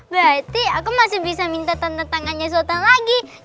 berarti aku masih bisa minta tanda tangannya soto lagi